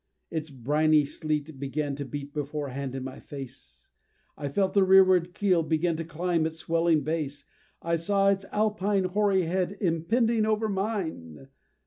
Its briny sleet began to beat beforehand in my face I felt the rearward keel begin to climb its swelling base! I saw its alpine hoary head impending over mine!